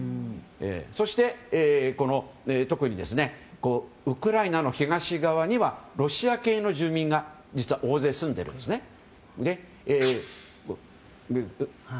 そして、この特にウクライナの東側にはロシア系の住民が実は大勢住んでいるんですね。